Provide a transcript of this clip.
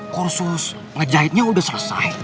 kursus ngejahitnya udah selesai